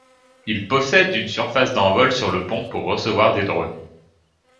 Il possède une surface d'envol sur le pont pour recevoir des drones.